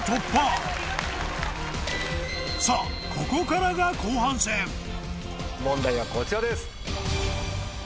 ここからが後半戦問題はこちらです。